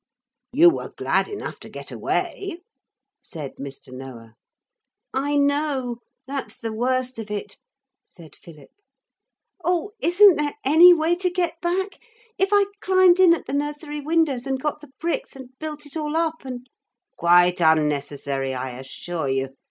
'You were glad enough to get away,' said Mr. Noah. 'I know: that's the worst of it,' said Philip. 'Oh, isn't there any way to get back? If I climbed in at the nursery windows and got the bricks and built it all up and ' 'Quite unnecessary, I assure you.